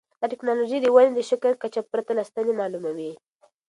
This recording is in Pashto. دا نوې ټیکنالوژي د وینې د شکر کچه پرته له ستنې معلوموي.